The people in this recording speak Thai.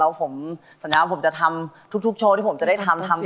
แล้วผมสัญญาว่าผมจะทำทุกโชว์ที่ผมจะได้ทำทำ